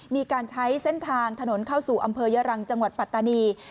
มีการใช้เส้นทางถนนเข้าสู่อำเภอยรังจังหวัดปัตตานี